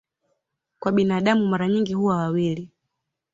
Kwa binadamu mara nyingi huwa wawili.